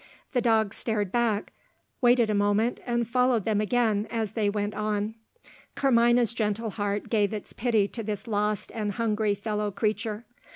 The dog starred back, waited a moment, and followed them again as they went on. Carmina's gentle heart gave its pity to this lost and hungry fellow creature.